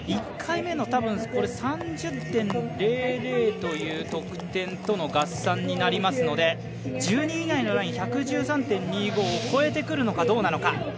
１回目の３０．００という得点との合算になりますので１２位のライン、１１３．７５を超えてくるのかどうなのか。